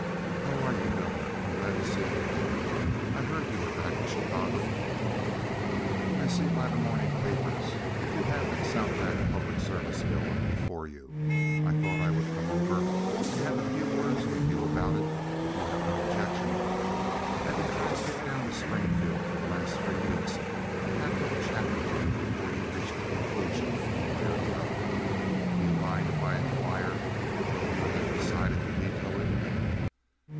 "How are you, Governor? I'm glad to see you again. I heard you were back in Chicago. I see by the morning papers that you have that Southack public service bill up before you. I thought I would come over and have a few words with you about it if you have no objection. I've been trying to get down to Springfield for the last three weeks to have a little chat with you before you reached a conclusion one way or the other. Do you mind if I inquire whether you have decided to veto it?"